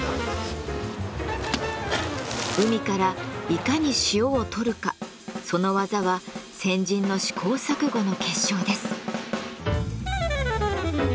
海からいかに塩を採るかその技は先人の試行錯誤の結晶です。